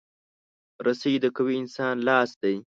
رسۍ د قوي انسان لاس دی.